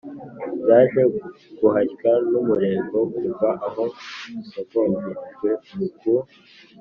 byaje guhashywa n'umurego, kuva aho dusogongerejwe ku